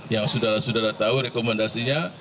yang saudara saudara tahu rekomendasinya